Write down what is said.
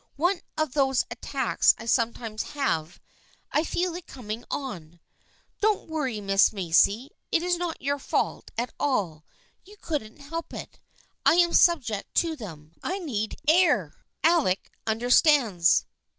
One of those attacks I sometimes have — I feel it coming on. Don't worry, Miss Macy. It is not your fault at all. You couldn't help it. I am subject to them. I need air. Alec understands."